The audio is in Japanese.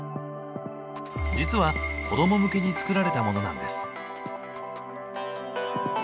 実は子ども向けに作られたものなんです。